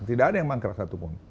tidak ada yang mangkrak satu pun